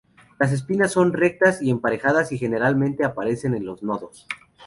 Las espinas son rectas y emparejadas y generalmente aparecen en los nodos.